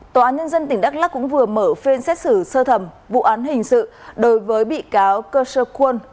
tòa án nhân dân tỉnh đắk lắc cũng vừa mở phiên xét xử sơ thẩm vụ án hình sự đối với bị cáo cơ sơ khuôn